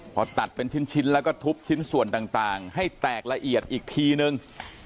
พอตัดเป็นชิ้นแล้วก็ทุบชิ้นส่วนต่างให้แตกละเอียดอีกทีนึง